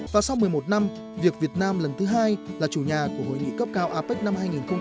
và sau một mươi một năm việc việt nam lần thứ hai là chủ nhà của hội nghị cấp cao apec năm hai nghìn hai mươi